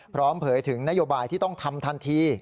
เผยถึงนโยบายที่ต้องทำทันที